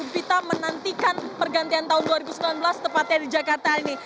vita menantikan pergantian tahun dua ribu sembilan belas tepatnya di jakarta ini